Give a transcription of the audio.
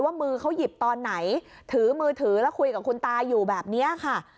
มือเขาหยิบตอนไหนถือมือถือแล้วคุยกับคุณตาอยู่แบบนี้ค่ะ